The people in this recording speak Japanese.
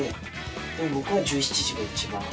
でも僕は１７時が一番。